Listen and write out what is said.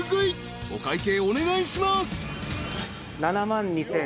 ［お会計お願いします］